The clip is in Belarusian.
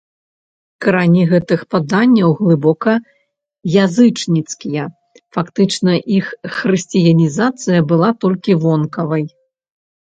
Карані гэтых паданняў глыбока язычніцкія, фактычна іх хрысціянізацыя была толькі вонкавай.